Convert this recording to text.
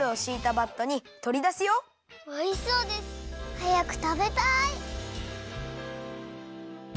はやくたべたい！